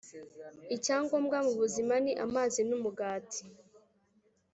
Icya ngombwa mu buzima, ni amazi n’umugati,